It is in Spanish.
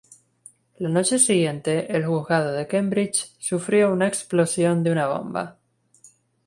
La noche siguiente, el juzgado de Cambridge sufrió una explosión de bomba.